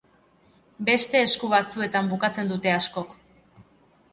Beste esku batzuetan bukatzen dute askok.